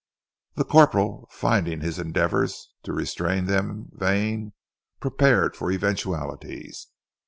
The corporal, finding his endeavours to restrain them vain, prepared for eventualities.